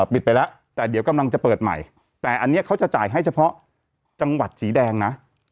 ปิดไปแล้วแต่เดี๋ยวกำลังจะเปิดใหม่แต่อันนี้เขาจะจ่ายให้เฉพาะจังหวัดสีแดงนะ